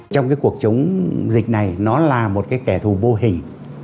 trong cuộc chống dịch này nó là một kẻ thù vô hình